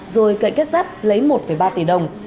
rồi cậy kết sát lấy một ba tỷ đồng